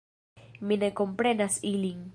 Mi ne komprenas ilin.